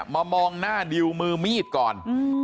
มองหน้าดิวมือมีดก่อน